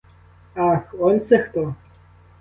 Ах, он це хто!